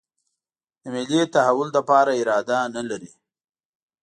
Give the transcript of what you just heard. د ملي تحول لپاره اراده نه لري.